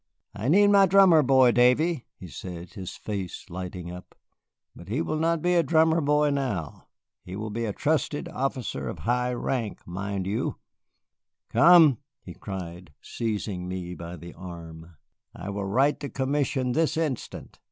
"I need my drummer boy, Davy," he said, his face lighting up, "but he will not be a drummer boy now. He will be a trusted officer of high rank, mind you. Come," he cried, seizing me by the arm, "I will write the commission this instant.